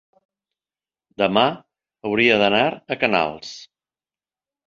Demà hauria d'anar a Canals.